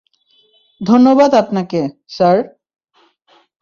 ধন্যবাদ আপনাকে, স্যার।